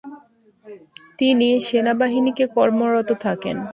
তিনি সেনাবাহিনীতে কর্মরত থাকেন।